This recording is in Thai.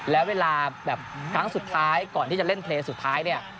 แล้วเวลาแบบครั้งสุดท้ายก่อนที่จะเล่นเพลงสุดท้ายเนี่ย